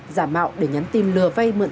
giả mạo để nhắn tin lừa vây mất tài khoản